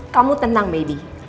kamu tenang baby